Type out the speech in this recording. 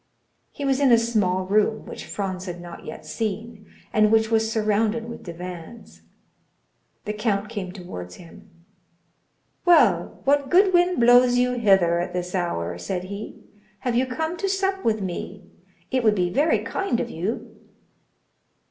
He was in a small room which Franz had not yet seen, and which was surrounded with divans. The count came towards him. "Well, what good wind blows you hither at this hour?" said he; "have you come to sup with me? It would be very kind of you."